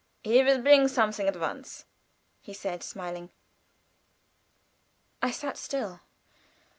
"He will bring something at once," said he, smiling. I sat still.